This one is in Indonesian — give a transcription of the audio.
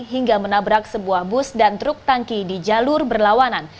hingga menabrak sebuah bus dan truk tangki di jalur berlawanan